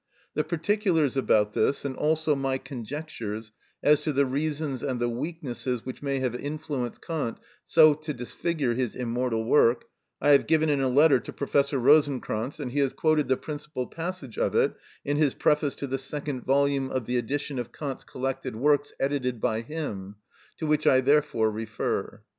The particulars about this, and also my conjectures as to the reasons and the weaknesses which may have influenced Kant so to disfigure his immortal work, I have given in a letter to Professor Rosenkranz, and he has quoted the principal passage of it in his preface to the second volume of the edition of Kant's collected works edited by him, to which I therefore refer.